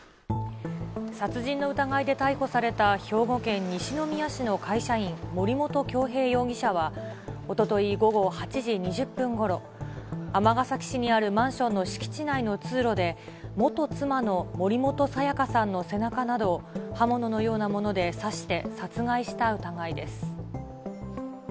殺人の疑いで逮捕された兵庫県西宮市の会社員、森本恭平容疑者はおととい午後８時２０分ごろ、尼崎市にあるマンションの敷地内の通路で、元妻の森本彩加さんの背中などを刃物のようなもので刺して殺害した疑いです。